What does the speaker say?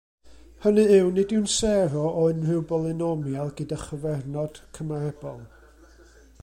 Hynny yw, nid yw'n sero o unrhyw bolynomial gyda chyfernod cymarebol.